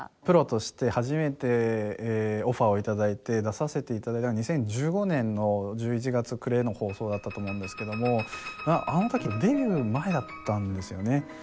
プロとして初めてオファーを頂いて出させて頂いた２０１５年の１１月暮れの放送だったと思うんですけどもあの時デビュー前だったんですよね。